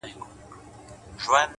هره تجربه د شخصیت نوی اړخ جوړوي